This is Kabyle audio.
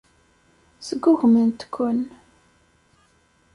Sgugment-ken.